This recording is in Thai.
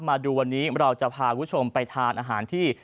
มาดูวันนี้เราจะพาคุณผู้ชมไปทานอาหารที่